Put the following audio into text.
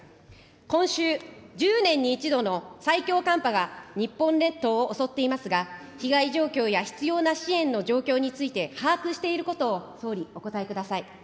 今週、１０年に１度の最強寒波が日本列島を襲っていますが、被害状況や必要な支援の状況について把握していることを、総理、お答えください。